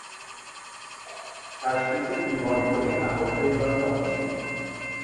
تشخیص بیماریهای نهفته یا تانشی